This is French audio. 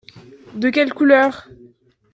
De quelle couleur ?